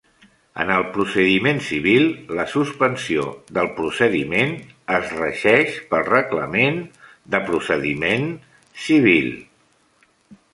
En el procediment civil, la suspensió del procediment es regeix pel Reglament de procediment civil.